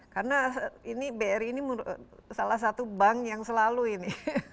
karena bri ini salah satu bank yang selalu ini